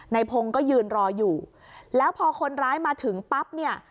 ในพงศ์ก็ยืนรออยู่แล้วพอคนร้ายมาถึงปั๊บเนี่ย